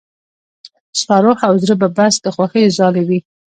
ستا روح او زړه به بس د خوښيو ځالې وي.